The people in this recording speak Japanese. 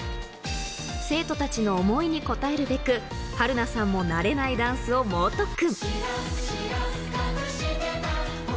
生徒たちの想いに応えるべく、春菜さんも慣れないダンスを猛特訓。